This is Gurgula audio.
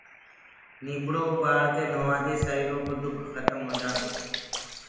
نيٚڀڙو اُٻآݪڪي نهووآدي سريٚرو ڪو دُک کتم هو جآنٚدو هي